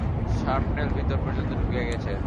Shrapnel ভিতর পর্যন্ত ঢুকে গেছে।